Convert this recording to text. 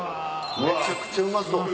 めちゃくちゃうまそう。